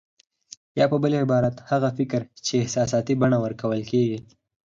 يا په بل عبارت هغه فکر چې احساساتي بڼه ورکول کېږي.